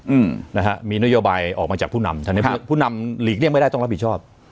อืมนะฮะมีนโยบายออกมาจากผู้นำทางนี้ผู้นำหลีกเลี่ยงไม่ได้ต้องรับผิดชอบ